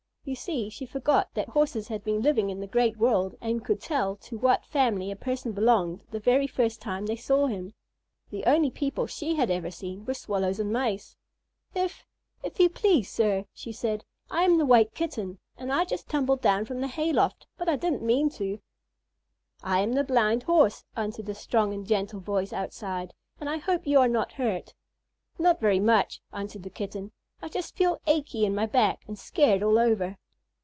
You see, she forgot that Horses had been living in the great world and could tell to what family a person belonged the very first time they saw him. The only people she had ever seen were Swallows and Mice. "If if you please, sir," she said, "I am the White Kitten, and I just tumbled down from the hay loft, but I didn't mean to." "I am the Blind Horse," answered a strong and gentle voice outside, "and I hope you are not hurt." "Not very much," answered the Kitten. "I just feel ache y in my back and scared all over."